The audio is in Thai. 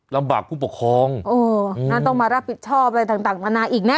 ลำบากผู้ปกครองโอ้น่าต้องมารับผิดชอบอะไรต่างอีกนะ